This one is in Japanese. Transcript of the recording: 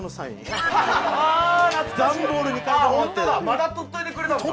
まだ取っといてくれたの？